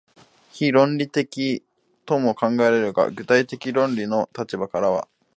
非論理的とも考えられるが、具体的論理の立場からは、